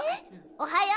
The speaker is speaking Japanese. おはよう。